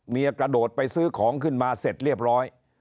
กระโดดไปซื้อของขึ้นมาเสร็จเรียบร้อย